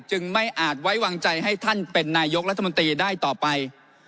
ไม่อาจไว้วางใจให้ท่านเป็นนายกรัฐมนตรีได้ต่อไป